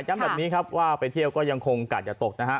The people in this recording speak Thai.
แบบนี้ครับว่าไปเที่ยวก็ยังคงกัดอย่าตกนะฮะ